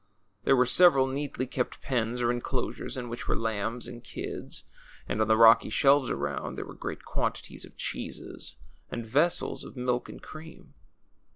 There were several neatly kept pens or inclosures in which were lambs and kids ; and on the rocky shelves around there were great quantities of cheeses, and vessels of milk and cream.